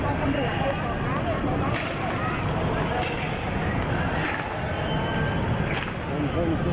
เพราะตอนนี้ก็ไม่มีเวลาให้เข้าไปที่นี่